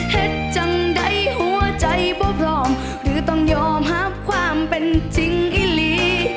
เห็ดจังใดหัวใจป่อพรอมหรือต้องยอมหับความเป็นจริงอิหรี่